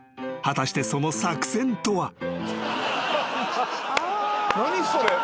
［果たしてその作戦とは］